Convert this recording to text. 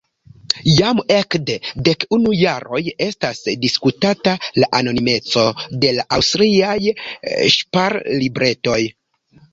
Jam ekde dek unu jaroj estas diskutata la anonimeco de la aŭstriaj ŝparlibretoj.